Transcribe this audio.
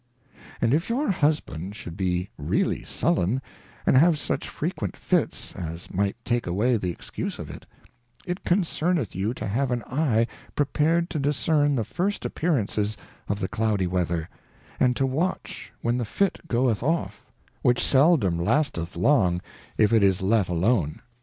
And if your Husband should be really sullen, and have such frequent Fits, as might take away the excuse of it, it concerneth you to have an Eye prepared to discern the first Appearances of Cloudy Weather, and to watch when the Fit goeth off, which seldom lasteth long if it is let alone.